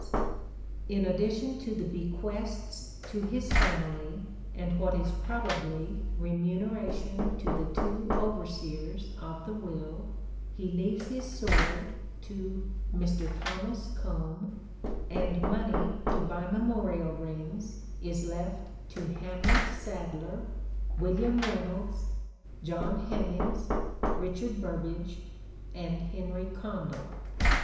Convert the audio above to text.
44 " SHAKESPEARE " IDENTIFIED In addition to the bequests to his family and what is probably remuneration to the two overseers of the will, he leaves his sword to Mr. Thomas Combe, and money to buy memorial rings is left to Hamlett Sadler, William Raynolds, John Hemynges, Richard Burbage and Henry Condell.